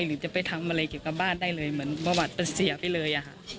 หรือจะไปทำอะไรเกี่ยวกับบ้านได้เลยเหมือนประวัติเสียไปเลยอะค่ะ